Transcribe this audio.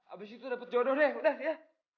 abis itu dapat jodoh deh udah ya